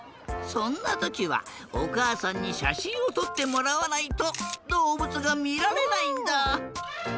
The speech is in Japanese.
そんなときはおかあさんにしゃしんをとってもらわないとどうぶつがみられないんだ。